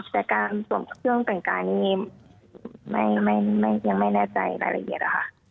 แต่การสวมเครื่องแต่งกายนี่ยังไม่แน่ใจรายละเอียดค่ะ